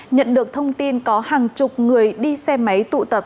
nhận được thông tin có hàng chục người đi xe máy tụ tập